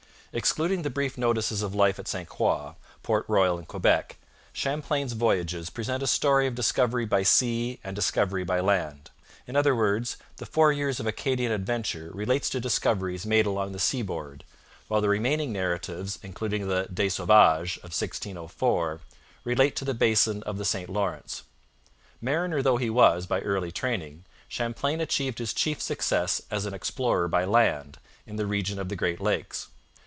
Excluding the brief notices of life at St Croix, Port Royal, and Quebec, Champlain's Voyages present a story of discovery by sea and discovery by land. In other words, the four years of Acadian adventure relate to discoveries made along the seaboard, while the remaining narratives, including the Des Sauvages of 1604, relate to the basin of the St Lawrence. Mariner though he was by early training, Champlain achieved his chief success as an explorer by land, in the region of the Great Lakes.